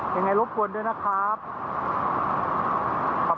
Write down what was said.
ยังไงรบกวนด้วยนะครับ